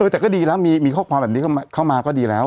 แต่ก็ดีแล้วมีข้อความแบบนี้เข้ามาก็ดีแล้ว